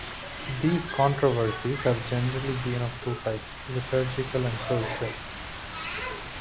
These controversies have generally been of two types: liturgical and social.